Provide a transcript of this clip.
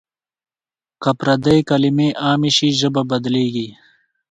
که پردۍ کلمې عامې شي ژبه بدلېږي.